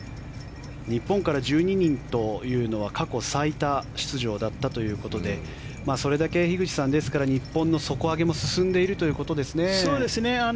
日本から１２人というのは過去最多出場だったということでそれだけ日本の底上げも進んでいるということですね。